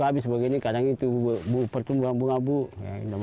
habis begini kadang itu pertumbuhan bunga bu